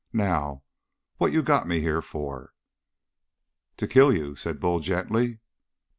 Now what you got me here for?" "To kill you," said Bull gently.